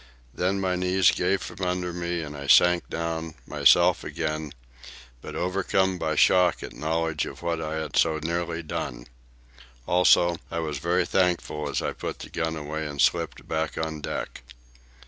Then my knees gave from under me and I sank down, myself again, but overcome by shock at knowledge of what I had so nearly done. Also, I was very thankful as I put the gun away and slipped back on deck.